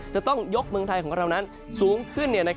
จะต้องยกเมืองไทยของเรานั้นสูงขึ้น